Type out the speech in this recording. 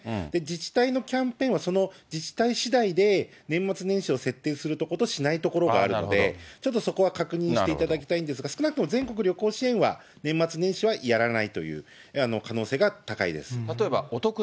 自治体のキャンペーンは、その自治体しだいで、年末年始を設定するところとしないところがあるので、ちょっとそこは確認していただきたいんですが、少なくとも全国旅行支援は年末年始はやらないという、可能性が高いです。